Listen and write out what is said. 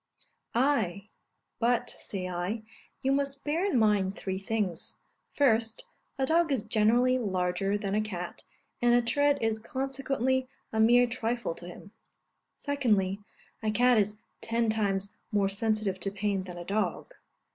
Ay; but, say I, you must bear in mind three things: First, a dog is generally larger than a cat, and a tread is consequently a mere trifle to him. Secondly, a cat is ten times more sensitive to pain than a dog.